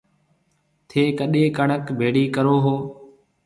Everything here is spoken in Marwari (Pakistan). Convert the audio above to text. ٿَي ڪڏيَ ڪڻڪ ڀيڙِي ڪرو هون۔